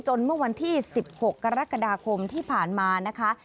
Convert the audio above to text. เมื่อวันที่๑๖กรกฎาคมที่ผ่านมานะคะ